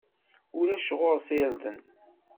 Ulac ɣur-s irden.